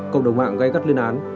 cộng đồng mạng gây gắt lên án